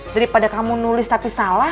daripada kamu nulis tapi salah